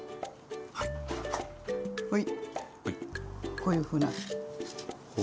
こういうふうに。